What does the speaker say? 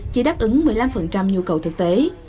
chỉ đáp ứng một mươi năm nhu cầu thực tế